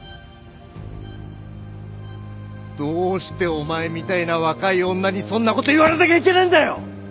どうしてお前みたいな若い女にそんなこと言われなきゃいけねえんだよ！